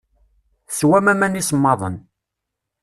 Teswam aman isemmaḍen.